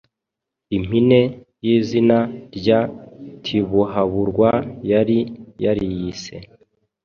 impine y’izina rya Tibuhaburwa yari yariyise.